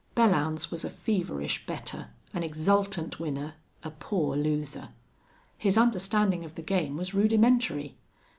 Belllounds was a feverish better, an exultant winner, a poor loser. His understanding of the game was rudimentary.